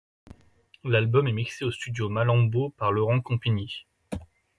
L’album est mixé au studio Malambo par Laurent Compignie.